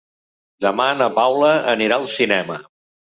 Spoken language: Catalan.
Demà na Paula anirà al cinema.